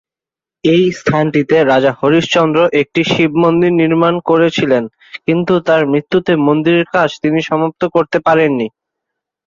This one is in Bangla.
এই স্থানটিতে রাজা হরিশচন্দ্র, একটি শিবমন্দির নির্মাণ করছিলেন, কিন্তু তার মৃত্যুতে মন্দিরের কাজ তিনি সমাপ্ত করতে পারেননি।